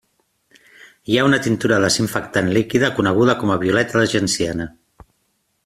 Hi ha una tintura desinfectant líquida coneguda com a violeta de genciana.